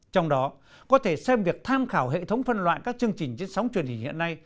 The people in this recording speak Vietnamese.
trong đó có thể xem việc tham khảo hệ thống phân loại các chương trình trên sóng truyền hình hiện nay